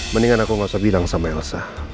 mendingan aku gak usah bilang sama elsa